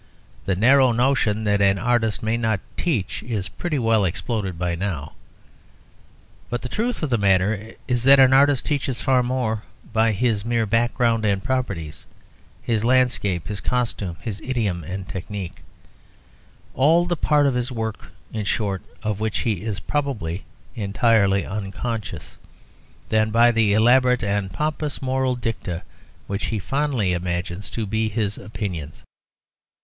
The narrow notion that an artist may not teach is pretty well exploded by now. But the truth of the matter is, that an artist teaches far more by his mere background and properties, his landscape, his costume, his idiom and technique all the part of his work, in short, of which he is probably entirely unconscious, than by the elaborate and pompous moral dicta which he fondly imagines to be his opinions.